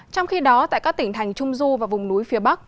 trong khi đó tại các tỉnh thành trung du và vùng núi phía bắc